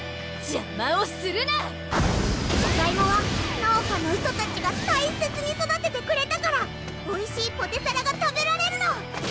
じゃがいもは農家の人たちが大切に育ててくれたからおいしいポテサラが食べられるの！